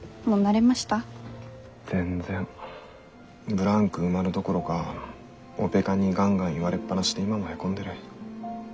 ブランク埋まるどころかオペ看にガンガン言われっぱなしで今もヘコんでる。